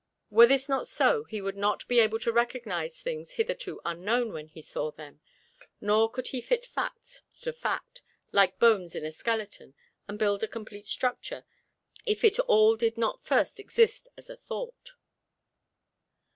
Were this not so, he would not be able to recognize things hitherto unknown, when he saw them; nor could he fit fact to fact, like bones in a skeleton, and build a complete structure, if it all did not first exist as a thought.